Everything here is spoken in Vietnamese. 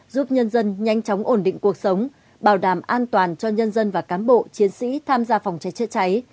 giúp nhân dân nhanh chóng ổn định cuộc sống bảo đảm an toàn cho nhân dân và cán bộ chiến sĩ tham gia phòng cháy chữa cháy